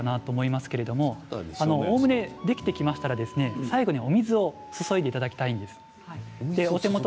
おおむねできてきましたら最後にお水を注いでいただきたいんです。